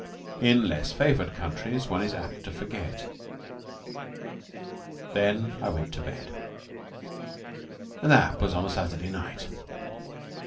In less favored countries one is apt to forget. Then I went to bed. And that was on a Saturday night.